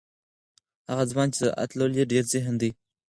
هغه ځوان چې زراعت لولي ډیر ذهین دی.